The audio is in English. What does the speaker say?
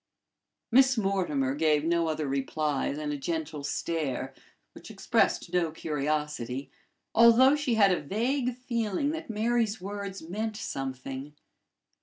Miss Mortimer gave no other reply than a gentle stare, which expressed no curiosity, although she had a vague feeling that Mary's words meant something.